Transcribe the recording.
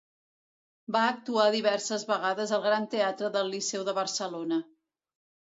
Va actuar diverses vegades al Gran Teatre del Liceu de Barcelona.